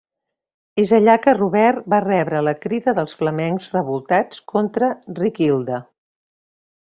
És allà que Robert va rebre la crida dels flamencs revoltats contra Riquilda.